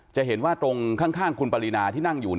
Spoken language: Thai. จะเห็นว่าตรงข้างคุณปรินาที่นั่งอยู่